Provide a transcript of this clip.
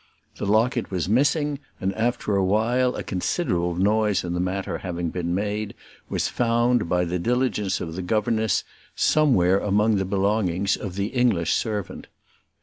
The locket was missing, and after a while, a considerable noise in the matter having been made, was found, by the diligence of the governess, somewhere among the belongings of the English servant.